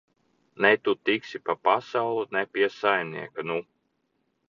Ne tu tiksi pa pasauli, ne pie saimnieka, nu!